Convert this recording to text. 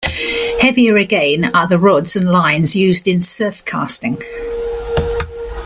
Heavier again are the rods and lines used in surfcasting.